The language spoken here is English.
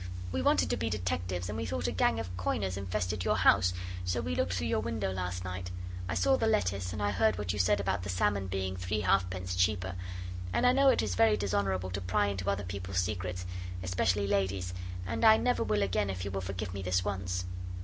We wanted to be detectives, and we thought a gang of coiners infested your house, so we looked through your window last night. I saw the lettuce, and I heard what you said about the salmon being three halfpence cheaper, and I know it is very dishonourable to pry into other people's secrets, especially ladies', and I never will again if you will forgive me this once.